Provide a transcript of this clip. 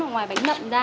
ngoài bánh nậm ra